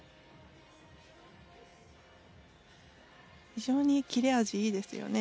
非常に切れ味いいですよね。